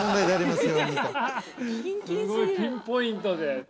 ◆すごいピンポイントで。